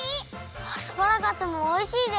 アスパラガスもおいしいです！